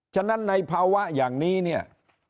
ฉะนั้นในภาวะอย่างนี้เนี่ย